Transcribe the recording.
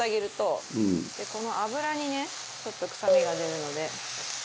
この脂にねちょっと臭みが出るので。